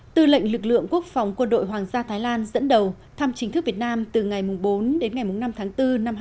tư lệnh lực lượng quốc phòng quân đội hoàng gia thái lan dẫn đầu thăm chính thức việt nam từ ngày bốn đến ngày năm tháng bốn năm hai nghìn hai mươi